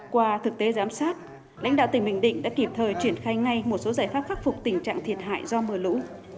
qua thực tế giám sát lãnh đạo tỉnh bình định đã kịp thời triển khai ngay một số giải pháp khắc phục tình trạng thiệt hại do mưa lũ